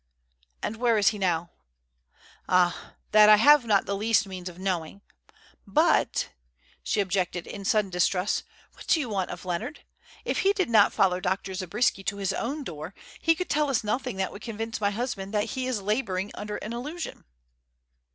"And where is he now?" "Ah, that I have not the least means of knowing. But," she objected, in sudden distrust, "what do you want of Leonard? If he did not follow Dr. Zabriskie to his own door, he could tell us nothing that would convince my husband that he is labouring under an illusion."